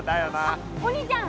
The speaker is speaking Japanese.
あっお兄ちゃん